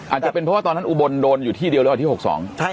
อาจจะเป็นเพราะตอนนั้นอุบลโดนอยู่ที่เดียวหรือครับที่๖๒